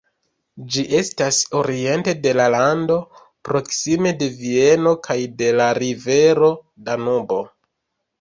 Ĝi estas oriente de la lando, proksime de Vieno kaj de la rivero Danubo.